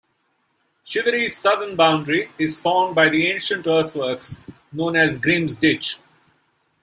Chivery's southern boundary is formed by the ancient earthworks known as Grim's Ditch.